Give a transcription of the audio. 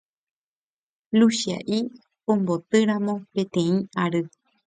Luchia'i ombotýramo peteĩ ary